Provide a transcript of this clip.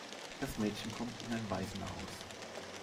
Das Mädchen kommt in ein Waisenhaus.